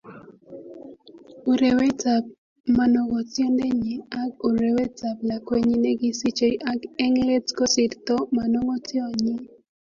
Urewetab manongotiondenyi ak urwetab lakwenyi ne kisichei ak eng let kosirto manogotionyi